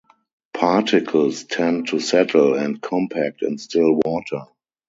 Particles tend to settle and compact in still water.